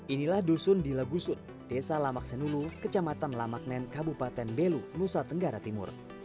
inilah dusun di lagusun desa lamak senulu kecamatan lamaknen kabupaten belu nusa tenggara timur